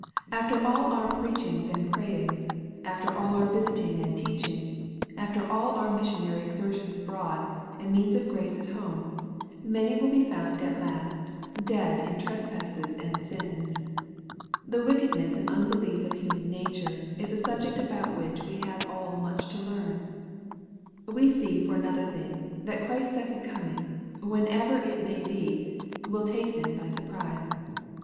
After all our preachiugs and prayings— after all our visiting and teaching— after al our missionary exertions abroad^ and means of grace at home, many will be found at last ^' dead in trespasses and sins V The wickedness and unbelief of human nature, is a subject about which we have all much to learn. We see, for another thing, that Ghrisfs second coming J whenever it may be, vnU take men by surprise.